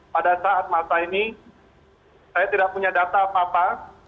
pada saat masa ini saya tidak punya data apa apa